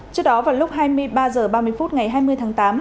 trước đó vào lúc hai mươi ba h ba mươi phút ngày hai mươi tháng tám